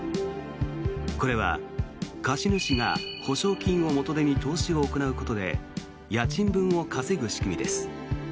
これは貸主が保証金を元手に投資を行うことで家賃分を稼ぐ仕組みです。